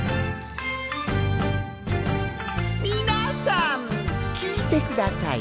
みなさんきいてください。